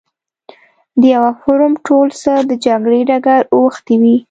د یوه فورم ټول څه د جګړې ډګر اوښتی وي.